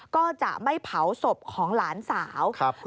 ก็จะไม่เผาศพของหลานสาว